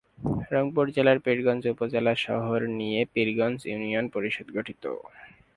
রংপুর জেলার পীরগঞ্জ উপজেলা শহর নিয়ে পীরগঞ্জ ইউনিয়ন পরিষদ গঠিত।